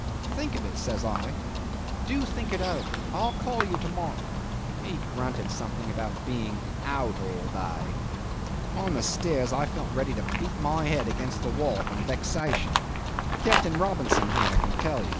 'Think of it,' says I. 'Do think it over. I'll call to morrow.' He grunted something about being 'out all day.' On the stairs I felt ready to beat my head against the wall from vexation. Captain Robinson here can tell you.